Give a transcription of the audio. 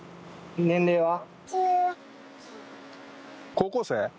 高校生？